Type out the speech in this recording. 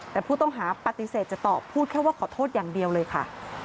แต่ผู้ต้องหาปฏิเสธจะตอบพูดแค่ว่าขอโทษอย่างเดียวเลยค่ะ